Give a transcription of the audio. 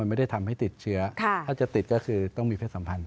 ไม่ได้ทำให้ติดเชื้อถ้าจะติดก็คือต้องมีเพศสัมพันธ